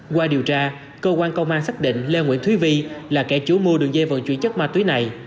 qua điều tra cơ quan công an xác định lê nguyễn thúy vi là kẻ chủ mua đường dây vận chuyển chất ma túy này